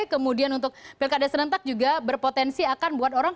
kemudian untuk pilkada serentak juga berpotensi akan buat orang